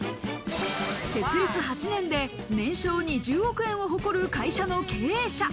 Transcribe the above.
設立８年で年商２０億円を誇る会社の経営者。